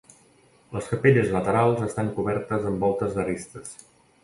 Les capelles laterals estan cobertes amb voltes d'arestes.